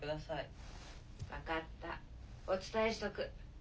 ・分かったお伝えしとく。